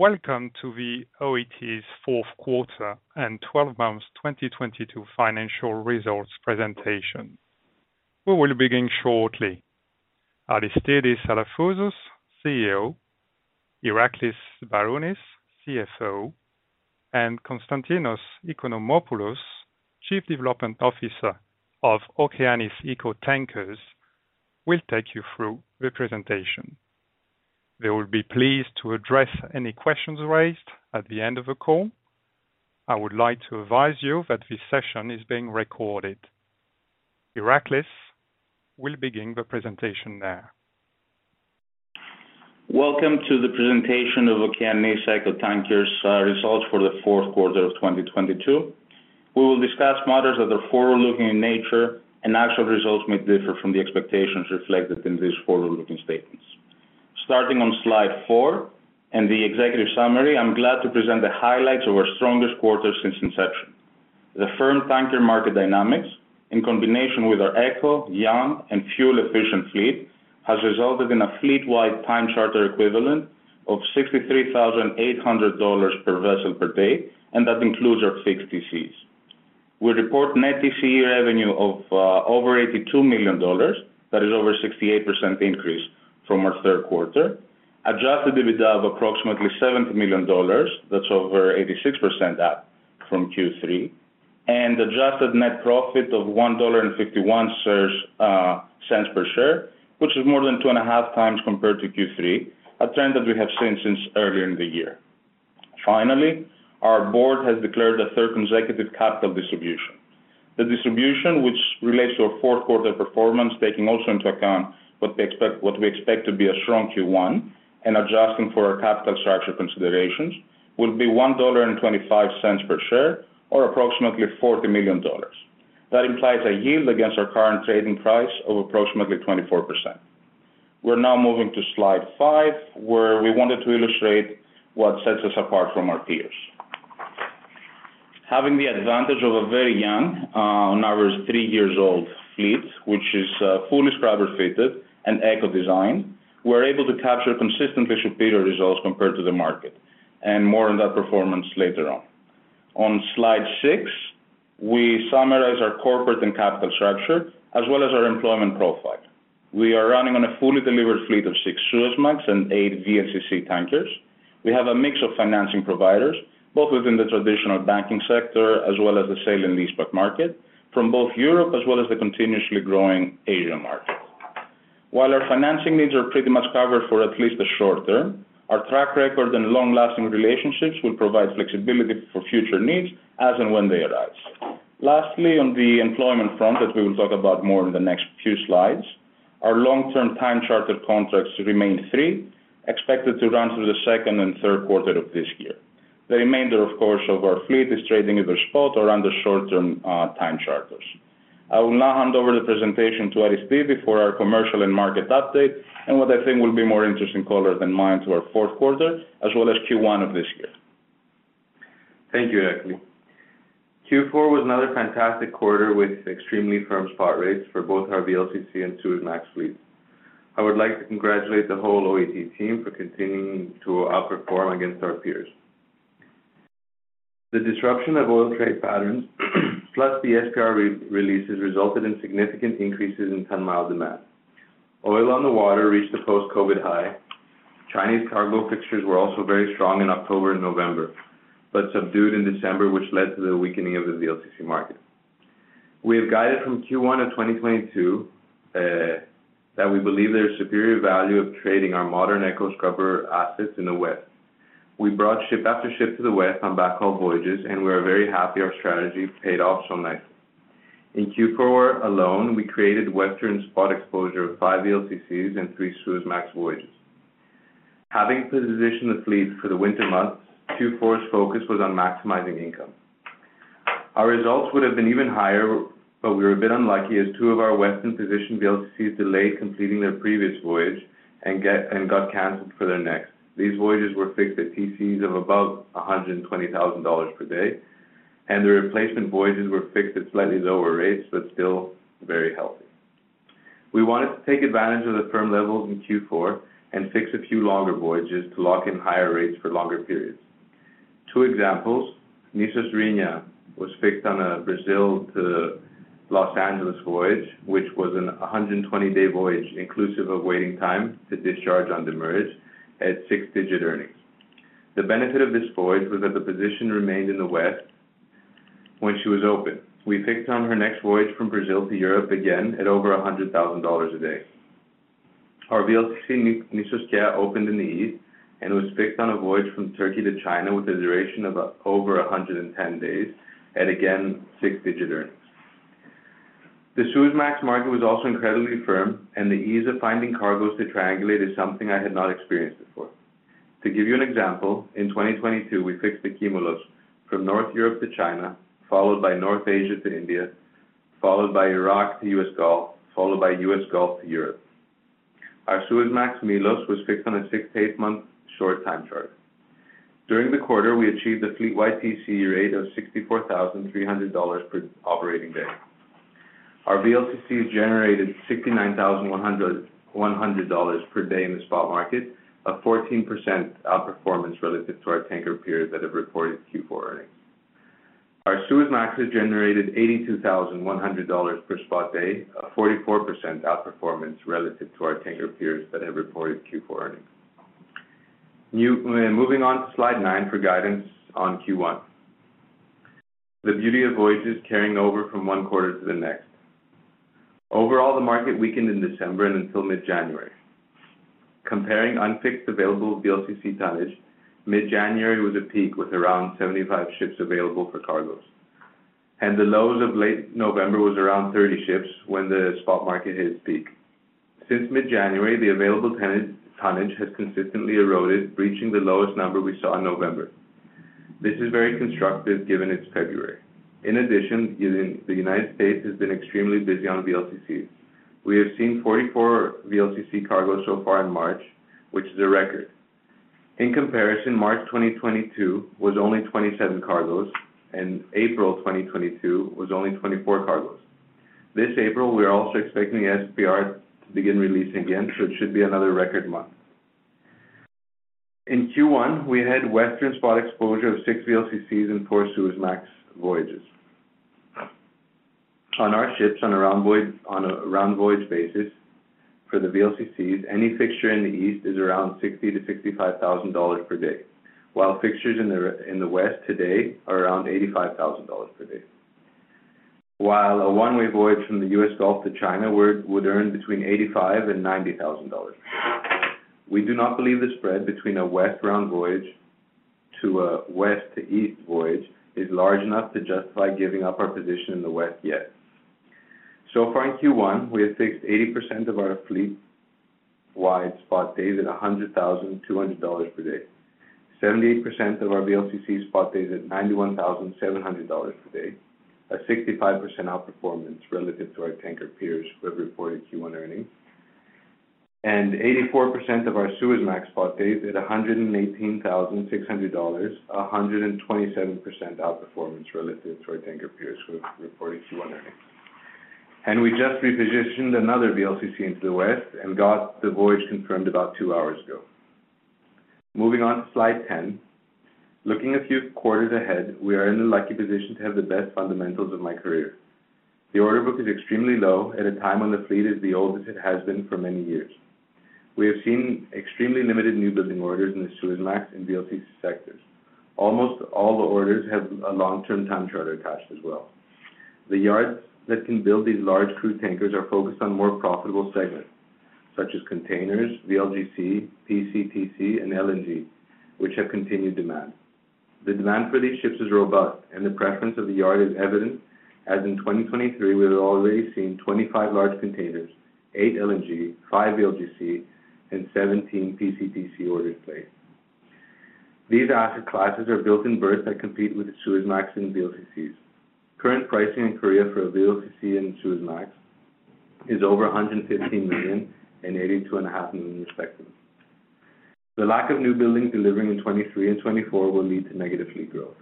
Welcome to the OET's fourth quarter and 12 months 2022 financial results presentation. We will begin shortly. Aristidis Alafouzos, CEO, Iraklis Sbarounis, CFO and Konstantinos Oikonomopoulos, Chief Development Officer of Okeanis Eco Tankers will take you through the presentation. They will be pleased to address any questions raised at the end of the call. I would like to advise you that this session is being recorded. Iraklis will begin the presentation now. Welcome to the presentation of Okeanis Eco Tankers results for the fourth quarter of 2022. We will discuss matters that are forward-looking in nature, and actual results may differ from the expectations reflected in these forward-looking statements. Starting on slide four, in the executive summary, I'm glad to present the highlights of our strongest quarter since inception. The firm tanker market dynamics, in combination with our eco, young, and fuel-efficient fleet, has resulted in a fleet-wide time charter equivalent of $63,800 per vessel per day, and that includes our fixed TCs. We report net TCE revenue of over $82 million, that is over 68% increase from our third quarter. Adjusted EBITDA of approximately $7 million, that's over 86% up from Q3, and adjusted net profit of $1.51 per share, which is more than 2.5 times compared to Q3, a trend that we have seen since earlier in the year. Finally, our board has declared a third consecutive capital distribution. The distribution which relates to our fourth quarter performance, taking also into account what we expect to be a strong Q1 and adjusting for our capital structure considerations will be $1.25 per share or approximately $40 million. That implies a yield against our current trading price of approximately 24%. We're now moving to slide five, where we wanted to illustrate what sets us apart from our peers. Having the advantage of a very young, on average three years old fleet, which is fully scrubber fitted and eco-designed, we're able to capture consistently superior results compared to the market. More on that performance later on. On slide six, we summarize our corporate and capital structure as well as our employment profile. We are running on a fully delivered fleet of six Suezmax and eight VLCC tankers. We have a mix of financing providers, both within the traditional banking sector as well as the sale and leaseback market from both Europe as well as the continuously growing Asian market. While our financing needs are pretty much covered for at least the short term, our track record and long-lasting relationships will provide flexibility for future needs as and when they arise. On the employment front that we will talk about more in the next few slides, our long-term time charter contracts remain three, expected to run through the 2nd and 3rd quarter of this year. The remainder, of course, of our fleet is trading either spot or under short-term time charters. I will now hand over the presentation to Aristidis before our commercial and market update and what I think will be more interesting color than mine to our 4th quarter as well as Q1 of this year. Thank you, Iraklis. Q4 was another fantastic quarter with extremely firm spot rates for both our VLCC and Suezmax fleet. I would like to congratulate the whole OET team for continuing to outperform against our peers. The disruption of oil trade patterns plus the SPR re-releases resulted in significant increases in ton-mile demand. Oil on the water reached a post-Covid high. Chinese cargo fixtures were also very strong in October and November, but subdued in December, which led to the weakening of the VLCC market. We have guided from Q1 of 2022 that we believe there is superior value of trading our modern eco scrubber assets in the West. We brought ship after ship to the West on backhaul voyages, and we are very happy our strategy paid off so nicely. In Q4 alone, we created Western spot exposure of 5 VLCCs and 3 Suezmax voyages. Having the position of fleet for the winter months, Q4's focus was on maximizing income. Our results would have been even higher, but we were a bit unlucky as two of our Western-position VLCC delayed completing their previous voyage and got canceled for their next. These voyages were fixed at TC of above $120,000 per day, and the replacement voyages were fixed at slightly lower rates, but still very healthy. We wanted to take advantage of the firm levels in Q4 and fix a few longer voyages to lock in higher rates for longer periods. Two examples: Nissos Rhenia was fixed on a Brazil to Los Angeles voyage, which was a 120-day voyage inclusive of waiting time to discharge on the merge at six-digit earnings. The benefit of this voyage was that the position remained in the West when she was open. We fixed on her next voyage from Brazil to Europe again at over $100,000 a day. Our VLCC, Nissos Kea, opened in the east and was fixed on a voyage from Turkey to China with a duration of over 110 days at, again, six-digit earnings. The Suezmax market was also incredibly firm. The ease of finding cargoes to triangulate is something I had not experienced before. To give you an example, in 2022, we fixed the Kimolos from North Europe to China, followed by North Asia to India, followed by Iraq to U.S. Gulf, followed by U.S. Gulf to Europe. Our Suezmax, Milos, was fixed on a six-eight month short time charter. During the quarter, we achieved a fleet-wide TCE rate of $64,300 per operating day. Our VLCC has generated $69,100 per day in the spot market, a 14% outperformance relative to our tanker peers that have reported Q4 earnings. Our Suezmax has generated $82,100 per spot day, a 42% outperformance relative to our tanker peers that have reported Q4 earnings. Moving on to slide nine for guidance on Q1. The beauty of voyages carrying over from one quarter to the next. Overall, the market weakened in December and until mid-January. Comparing unfixed available VLCC tonnage, mid-January was a peak with around 75 ships available for cargoes. The lows of late November was around 30 ships when the spot market hit its peak. Since mid-January, the available tonnage has consistently eroded, breaching the lowest number we saw in November. This is very constructive given it's February. The United States has been extremely busy on VLCC. We have seen 44 VLCC cargoes so far in March, which is a record. In comparison, March 2022 was only 27 cargoes, April 2022 was only 24 cargoes. This April, we are also expecting SPR to begin releasing again, it should be another record month. In Q1, we had Western spot exposure of six VLCCs and four Suezmax voyages. On our ships on a round voyage basis for the VLCCs, any fixture in the East is around $60,000-$65,000 per day, while fixtures in the West today are around $85,000 per day. While a one-way voyage from the US Gulf to China would earn between $85,000-$90,000. We do not believe the spread between a West round voyage to a West to East voyage is large enough to justify giving up our position in the West yet. So far in Q1, we have fixed 80% of our fleet-wide spot days at $100,200 per day. 78% of our VLCC spot days at $91,700 per day, a 65% outperformance relative to our tanker peers who have reported Q1 earnings. 84% of our Suezmax spot days at $118,600, a 127% outperformance relative to our tanker peers who have reported Q1 earnings. We just repositioned another VLCC into the West and got the voyage confirmed about two hours ago. Moving on to slide 10. Looking a few quarters ahead, we are in the lucky position to have the best fundamentals of my career. The order book is extremely low at a time when the fleet is the oldest it has been for many years. We have seen extremely limited new building orders in the Suezmax and VLCC sectors. Almost all the orders have a long-term time charter attached as well. The yards that can build these large crude tankers are focused on more profitable segments such as containers, VLGC, PCTC, and LNG, which have continued demand. The demand for these ships is robust. The preference of the yard is evident, as in 2023 we have already seen 25 large containers, 8 LNG, 5 VLGC, and 17 PCTC orders placed. These asset classes are built in berths that compete with the Suezmax and VLCCs. Current pricing in Korea for a VLCC and Suezmax is over $115 million and $82.5 million respectively. The lack of new buildings delivering in 2023 and 2024 will lead to negative fleet growth.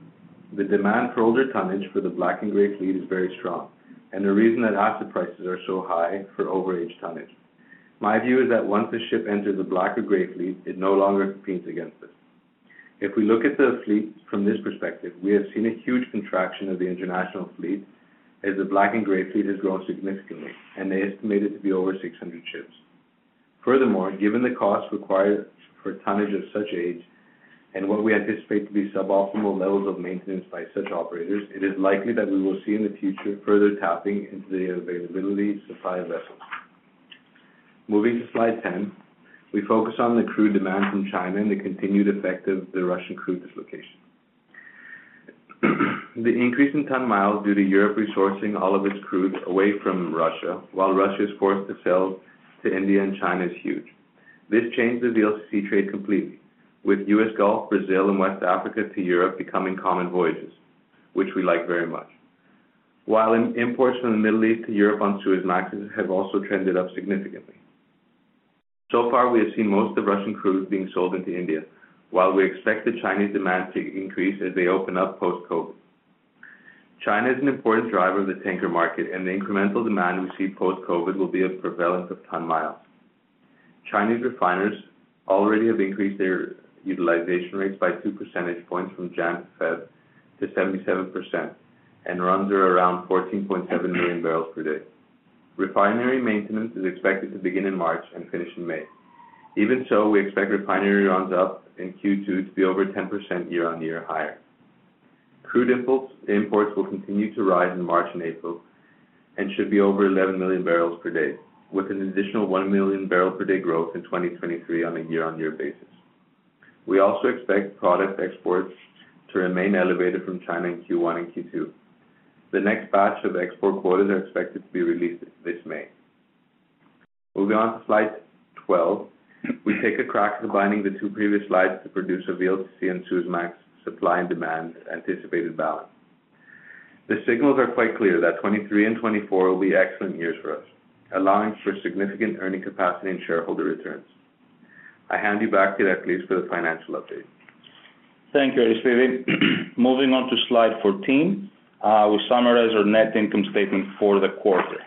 The demand for older tonnage for the dark and gray fleet is very strong. The reason that asset prices are so high for overage tonnage. My view is that once a ship enters a dark or gray fleet, it no longer competes against us. If we look at the fleet from this perspective, we have seen a huge contraction of the international fleet as the dark and gray fleet has grown significantly. They estimate it to be over 600 ships. Furthermore, given the cost required for tonnage of such age and what we anticipate to be suboptimal levels of maintenance by such operators, it is likely that we will see in the future further tapping into the availability to supply vessels. Moving to slide 10, we focus on the crude demand from China and the continued effect of the Russian crude dislocation. The increase in ton miles due to Europe resourcing all of its crude away from Russia while Russia is forced to sell to India and China is huge. This changes the LCC trade completely, with US Gulf, Brazil, and West Africa to Europe becoming common voyages, which we like very much. Imports from the Middle East to Europe on Suezmaxes have also trended up significantly. So far, we have seen most of Russian crude being sold into India, while we expect the Chinese demand to increase as they open up post-COVID. China is an important driver of the tanker market, and the incremental demand we see post-COVID will be a prevalence of ton-miles. Chinese refiners already have increased their utilization rates by 2 percentage points from January to February to 77% and runs are around 14.7 million barrels per day. Refinery maintenance is expected to begin in March and finish in May. Even so, we expect refinery runs up in Q2 to be over 10% year-on-year higher. Crude imports will continue to rise in March and April and should be over 11 million barrels per day, with an additional 1 million barrel per day growth in 2023 on a year-on-year basis. We also expect product exports to remain elevated from China in Q1 and Q2. The next batch of export quotas are expected to be released this May. Moving on to slide 12, we take a crack combining the two previous slides to produce a VLCC and Suezmax supply and demand anticipated balance. The signals are quite clear that 2023 and 2024 will be excellent years for us, allowing for significant earning capacity and shareholder returns. I hand you back to Efthimios for the financial update. Thank you, Aristidis. Moving on to slide 14, we summarize our net income statement for the quarter.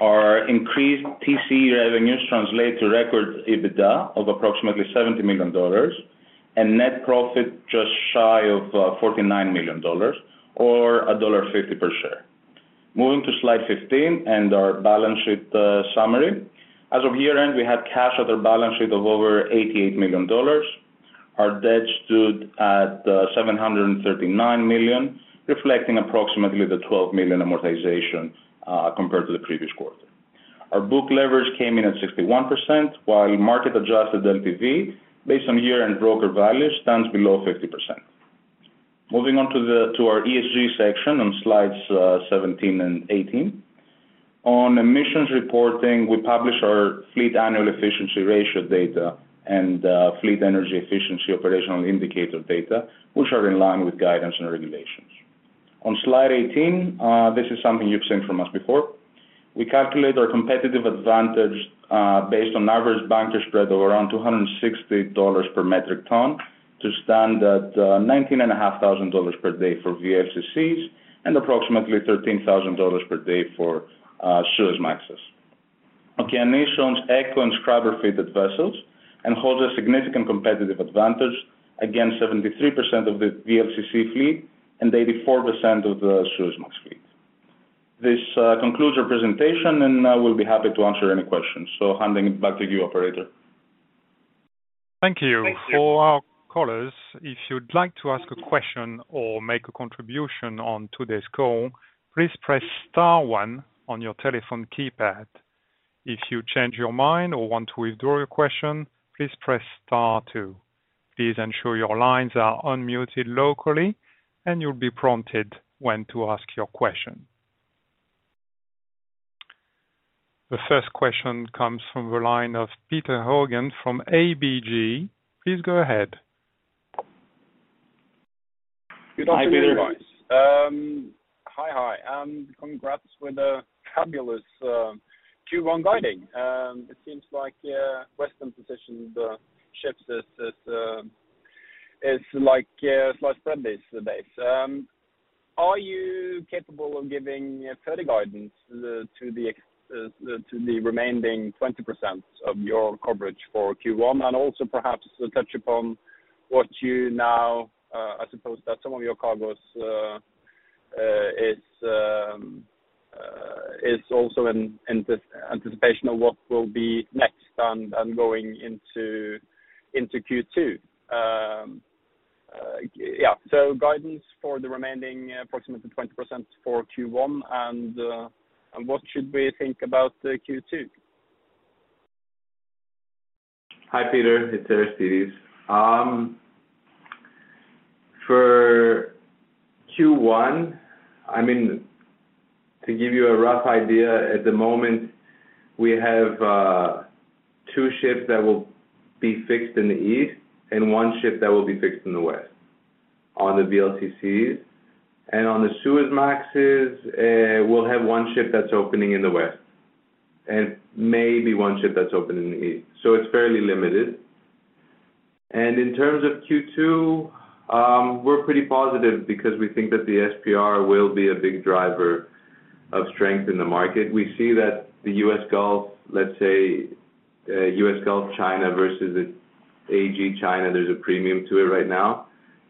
Our increased TCE revenues translate to record EBITDA of approximately $70 million and net profit just shy of $49 million or $1.50 per share. Moving to slide 15 and our balance sheet summary. As of year-end, we had cash on our balance sheet of over $88 million. Our debt stood at $739 million, reflecting approximately the $12 million amortization compared to the previous quarter. Our book leverage came in at 61%, while market-adjusted LTV, based on year-end broker value, stands below 50%. Moving on to our ESG section on slides 17 and 18. On emissions reporting, we publish our fleet annual efficiency ratio data and fleet energy efficiency operational indicator data, which are in line with guidance and regulations. On slide 18, this is something you've seen from us before. We calculate our competitive advantage, based on average banker spread of around $260 per metric ton to stand at $19,500 per day for VLCCs and approximately $13,000 per day for Suezmaxes. Okeanis owns ECO and scrubber-fitted vessels and holds a significant competitive advantage against 73% of the VLCC fleet and 84% of the Suezmax fleet. This concludes our presentation, and I will be happy to answer any questions. Handing it back to you, operator. Thank you. For our callers, if you'd like to ask a question or make a contribution on today's call, please press star one on your telephone keypad. If you change your mind or want to withdraw your question, please press star two. Please ensure your lines are unmuted locally, and you'll be prompted when to ask your question. The first question comes from the line of Petter Haugen from ABG. Please go ahead. Hi, Petter. Good afternoon, guys. Hi, and congrats with a fabulous Q1 guiding. It seems like Western positioned ships as like slice bread base. Are you capable of giving further guidance to the remaining 20% of your coverage for Q1? Also perhaps touch upon what you now, I suppose that some of your cargos is also in this anticipation of what will be next and going into Q2. Yeah. Guidance for the remaining approximately 20% for Q1 and what should we think about Q2? Hi, Petter. It's Aristidis. For Q1, I mean, to give you a rough idea, at the moment, we have two ships that will be fixed in the East and one ship that will be fixed in the West on the VLCCs. On the Suezmaxes, we'll have one ship that's opening in the West and maybe one ship that's opening in the East. It's fairly limited. In terms of Q2, we're pretty positive because we think that the SPR will be a big driver of strength in the market. We see that the US Gulf, let's say, US Gulf China versus AG China, there's a premium to it right now.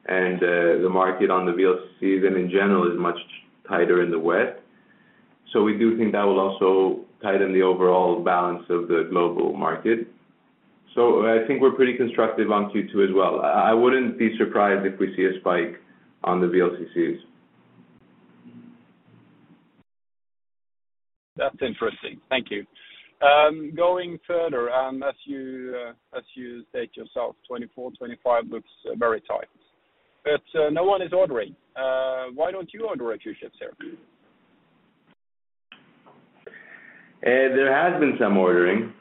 The market on the VLCCs and in general is much tighter in the West. We do think that will also tighten the overall balance of the global market. I think we're pretty constructive on Q2 as well. I wouldn't be surprised if we see a spike on the VLCCs. That's interesting. Thank you. Going further, as you, as you state yourself, 2024, 2025 looks very tight. No one is ordering. Why don't you order a few ships here? There has been some ordering.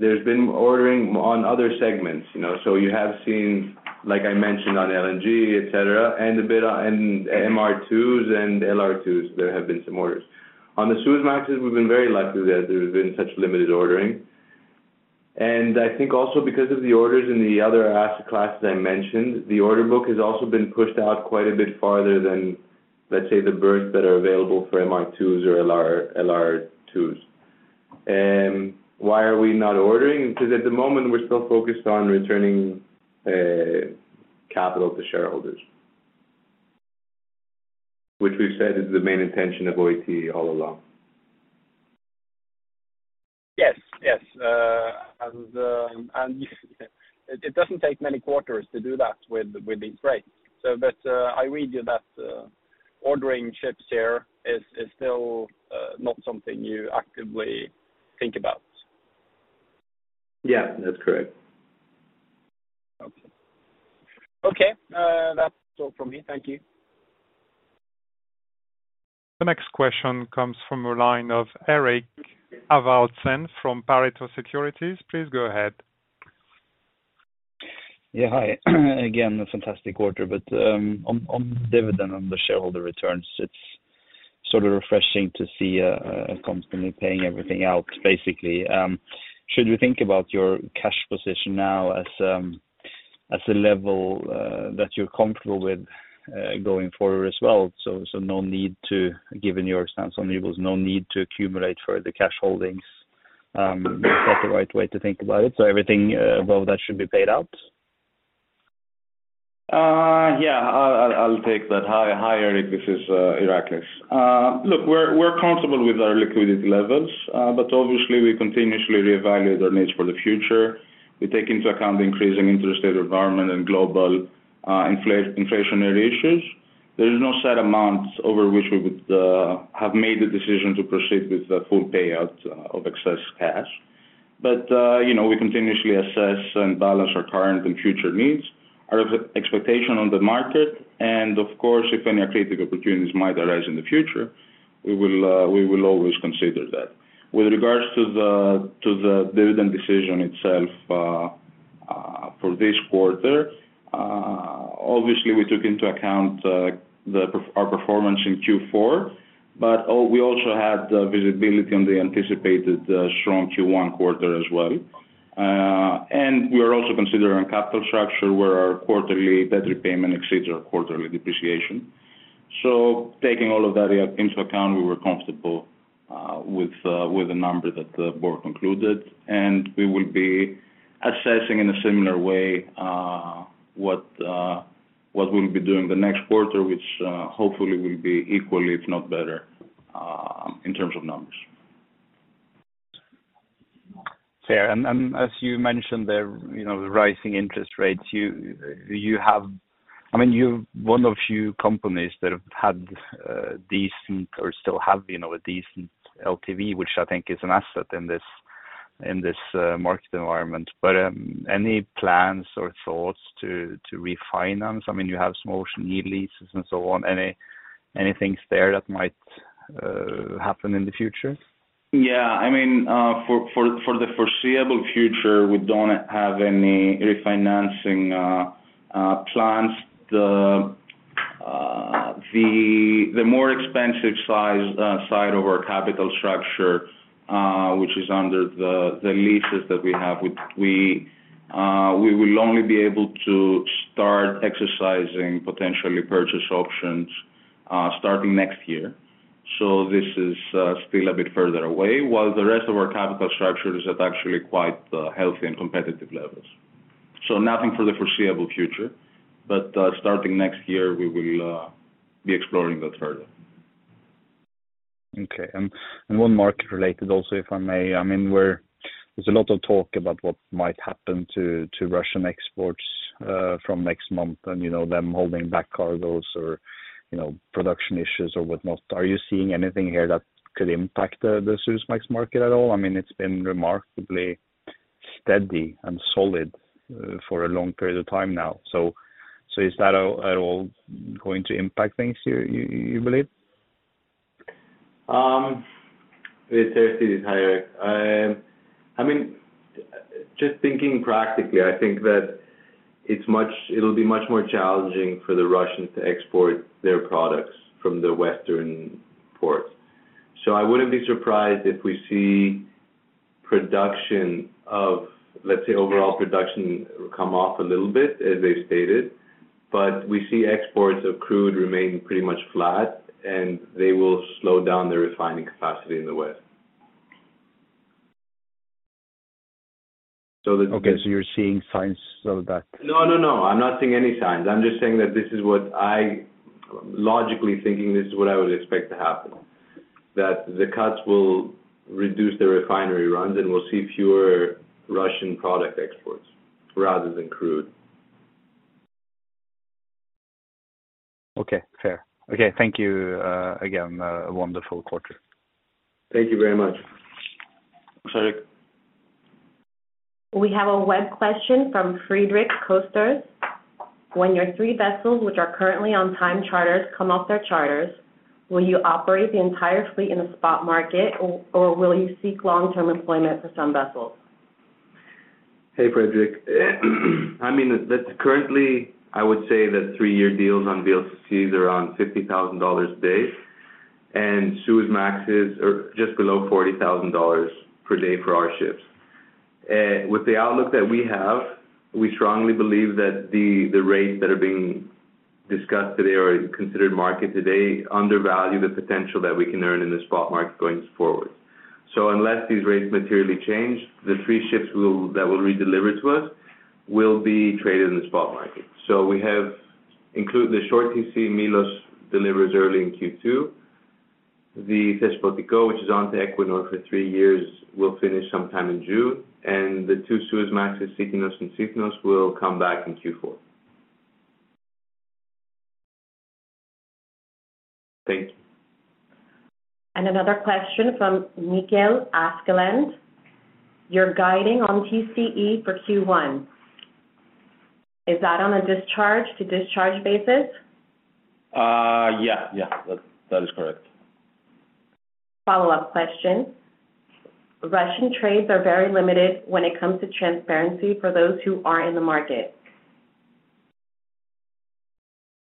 There's been ordering on other segments. You know? You have seen, like I mentioned, on LNG, et cetera, and a bit on MR2s and LR2s, there have been some orders. On the Suezmaxes, we've been very lucky that there's been such limited ordering. I think also because of the orders in the other asset classes I mentioned, the order book has also been pushed out quite a bit farther than, let's say, the berths that are available for MR2s or LR2s. Why are we not ordering? At the moment, we're still focused on returning capital to shareholders, which we've said is the main intention of OET all along. Yes. Yes. It doesn't take many quarters to do that with these rates. I read you that ordering ships here is still not something you actively think about. Yeah, that's correct. Okay. Okay, that's all from me. Thank you. The next question comes from the line of Eirik Haavaldsen from Pareto Securities. Please go ahead. Yeah. Hi. Again, a fantastic quarter. On dividend, on the shareholder returns, It's sort of refreshing to see a company paying everything out basically. Should we think about your cash position now as the level that you're comfortable with going forward as well? No need to give any understanding. There was no need to accumulate further cash holdings, is that the right way to think about it? Everything, well, that should be paid out. Yeah. I'll take that. Hi Eirik Haavaldsen, this is Iraklis Sbarounis. Look, we're comfortable with our liquidity levels, but obviously we continuously reevaluate our needs for the future. We take into account the increasing interest rate environment and global inflationary issues. There is no set amount over which we would have made the decision to proceed with the full payout of excess cash. You know, we continuously assess and balance our current and future needs. Our expectation on the market and of course, if any accretive opportunities might arise in the future, we will always consider that. With regards to the dividend decision itself, for this quarter, obviously we took into account our performance in Q4, but we also had the visibility on the anticipated strong Q1 quarter as well. We are also considering capital structure where our quarterly debt repayment exceeds our quarterly depreciation. Taking all of that into account, we were comfortable with the number that the board concluded, and we will be assessing in a similar way what we'll be doing the next quarter, which hopefully will be equally, if not better, in terms of numbers. Fair. As you mentioned there, you know, the rising interest rates, I mean, you one of few companies that have had decent or still have, you know, a decent LTV, which I think is an asset in this market environment. Any plans or thoughts to refinance? I mean, you have some Ocean Yield leases and so on. Anything there that might happen in the future? I mean, for the foreseeable future, we don't have any refinancing plans. The more expensive side of our capital structure, which is under the leases that we have with we will only be able to start exercising potentially purchase options starting next year. This is still a bit further away while the rest of our capital structure is at actually quite healthy and competitive levels. Nothing for the foreseeable future, but starting next year we will be exploring that further. Okay. One market related also, if I may, I mean, there's a lot of talk about what might happen to Russian exports from next month and, you know, them holding back cargos or, you know, production issues or whatnot. Are you seeing anything here that could impact the Suezmax market at all? I mean, it's been remarkably steady and solid for a long period of time now. Is that at all going to impact things you believe? I mean, just thinking practically, I think that it'll be much more challenging for the Russians to export their products from the Western ports. I wouldn't be surprised if we see production of, let's say, overall production come off a little bit as they've stated. We see exports of crude remaining pretty much flat and they will slow down the refining capacity in the West. Okay. You're seeing signs of that. No, no. I'm not seeing any signs. I'm just saying that this is what I would expect to happen. That the cuts will reduce the refinery runs and we'll see fewer Russian product exports rather than crude. Okay. Fair. Okay. Thank you, again, a wonderful quarter. Thank you very much. Thanks. We have a web question from Frode Mørkedal or will you seek long-term employment for some vessels? Hey, Friedrich. I mean, that's currently, I would say that three-year deals on VLCCs are around $50,000 a day and Suezmax are just below $40,000 per day for our ships. With the outlook that we have, we strongly believe that the rates that are being discussed today are considered market today undervalueMørkedal the potential that we can earn in the spot market going forward. Unless these rates materially change, the three ships that will redeliver to us will be traded in the spot market. We have included the short TC Milos delivers early in Q2. The Thesprotico, which is on to Equinor for three years, will finish sometime in June, and the two Suezmax, Sikinos and Poliegos will come back in Q4. Thank you. Another question from Mikel Askeland. You're guiding on TCE for Q1. Is that on a discharge to discharge basis? Yeah. That is correct. Follow-up question. Russian trades are very limited when it comes to transparency for those who are in the market.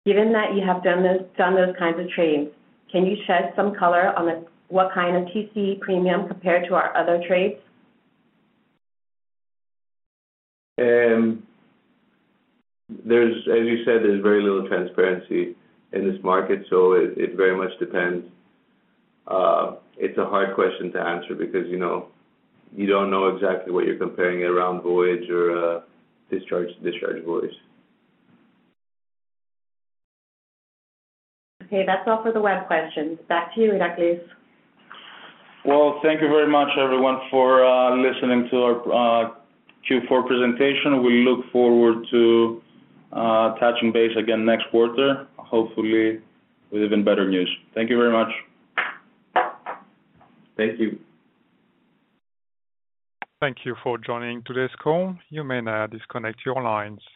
Given that you have done those kinds of trades, can you shed some color on the, what kind of TCE premium compared to our other trades? There's, as you said, there's very little transparency in this market, so it very much depends. It's a hard question to answer because, you know, you don't know exactly what you're comparing it around voyage or a discharge to discharge voyage. That's all for the web questions. Back to you, Iraklis. Well, thank you very much everyone for listening to our Q4 presentation. We look forward to touching base again next quarter, hopefully with even better news. Thank you very much. Thank you. Thank you for joining today's call. You may now disconnect your lines.